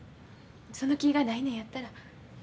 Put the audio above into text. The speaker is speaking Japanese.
その気がないのやったら。